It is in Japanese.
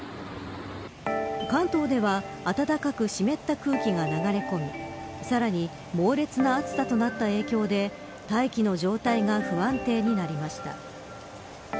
関東では暖かく湿った空気が流れ込みさらに猛烈な暑さとなった影響で大気の状態が不安定になりました。